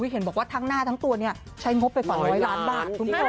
เห็นบอกว่าทั้งหน้าทั้งตัวนี้ใช้งบไปกว่า๑๐๐ล้านบาท